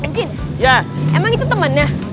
mungkin ya emang itu temannya